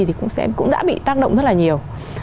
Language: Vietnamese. thì cũng đã bị tác động rất là nhiều